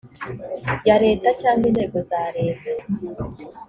ya leta cyangwa inzego za leta